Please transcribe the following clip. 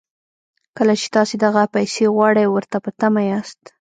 کله چې تاسې دغه پيسې غواړئ او ورته په تمه ياست.